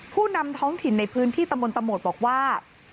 ผู้นำท้องถิ่นในพื้นที่ตำบลตะโหมดบอกว่า